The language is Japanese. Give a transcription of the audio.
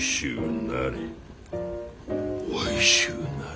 おいしゅうなれ。